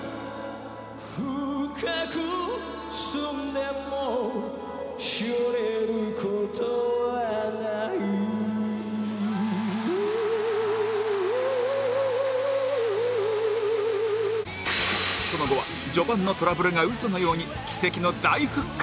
「深く澄んでもう萎れることはない」その後は序盤のトラブルが嘘のように奇跡の大復活